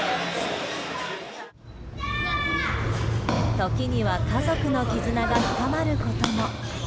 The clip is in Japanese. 時には家族の絆が深まることも。